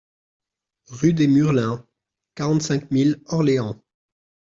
Rue des Murlins, quarante-cinq mille Orléans